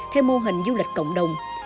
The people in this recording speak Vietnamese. theo mô hình du lịch cộng đồng